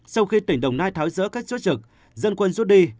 sau khi tỉnh đồng nai tháo giỡn các chốt trực dân quân rút đi